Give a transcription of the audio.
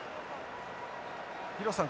廣瀬さん